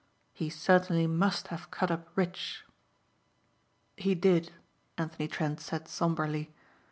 He certainly must have cut up rich." "He did," Anthony Trent said sombrely.